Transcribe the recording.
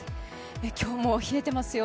今日も冷えてますよ。